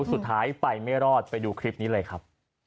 สุดท้ายไปไม่รอดไปดูคลิปนี้เลยครับ